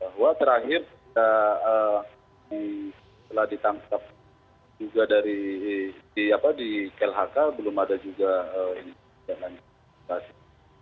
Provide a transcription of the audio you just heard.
bahwa terakhir setelah ditangkap juga di klhk belum ada juga ini